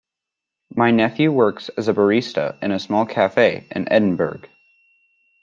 My nephew works as a barista in a small cafe in Edinburgh.